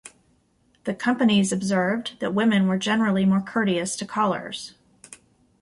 The companies observed that women were generally more courteous to callers.